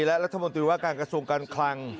และรัฐมนตรีว่าการกระทรวงการคลัง